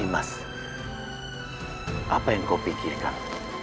mas apa yang kau pikirkan